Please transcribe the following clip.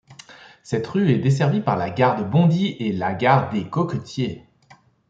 Cette rue est desservie par la gare de Bondy et la gare des Coquetiers.